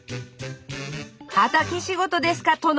畑仕事ですか殿。